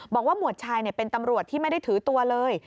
หมวดชายเป็นตำรวจที่ไม่ได้ถือตัวเลย